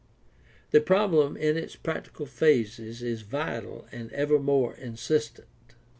The problem in its practical phases is vital and ever more insistent.